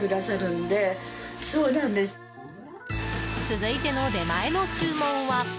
続いての出前の注文は。